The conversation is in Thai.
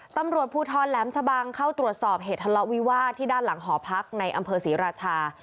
ตำรวจภูทรแหลมชะบังเข้าตรวจสอบเหตุทะเลาะวิวาสที่ด้านหลังหอพักในอำเภอศรีราชา